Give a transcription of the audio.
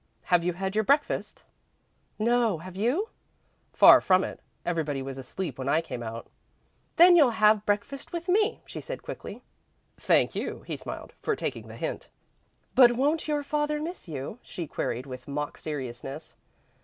"Have you had your breakfast?" "No, have you?" "Far from it. Everybody was asleep when I came out." "Then you'll have breakfast with me," she said, quickly. "Thank you," he smiled, "for taking the hint." "But won't your father miss you?" she queried, with mock seriousness.